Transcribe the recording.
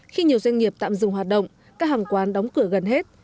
khi nhiều doanh nghiệp tạm dừng hoạt động các hàng quán đóng cửa gần hết